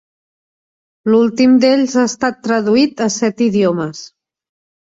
L'últim d'ells ha estat traduït a set idiomes.